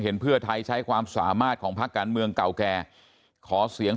เพื่อไทยใช้ความสามารถของพักการเมืองเก่าแก่ขอเสียง